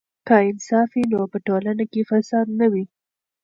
که انصاف وي نو په ټولنه کې فساد نه وي.